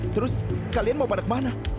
terus kalian mau pada kemana